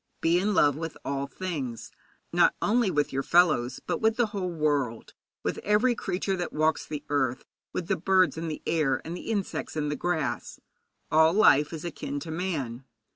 Be in love with all things, not only with your fellows, but with the whole world, with every creature that walks the earth, with the birds in the air, with the insects in the grass. All life is akin to man.